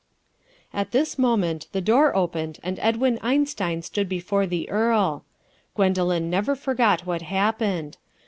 At this moment the door opened and Edwin Einstein stood before the earl. Gwendoline never forgot what happened.